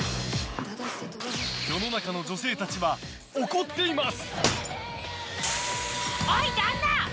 世の中の女性たちは怒っています。